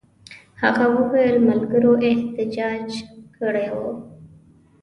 هغه وویل ملګرو احتجاج کړی وو.